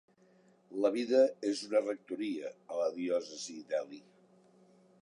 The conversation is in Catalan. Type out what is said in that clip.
La vida és una rectoria a la diòcesi d'Ely.